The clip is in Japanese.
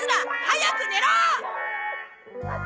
早く寝ろ！